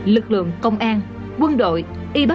lực lượng công an quân đội y bác sĩ học sinh y khoa